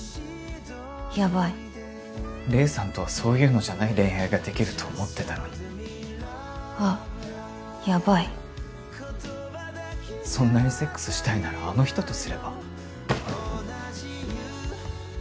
ヤバい黎さんとはそういうのじゃない恋愛ができると思ってたのにあっヤバいそんなにセックスしたいならあの人とすれば？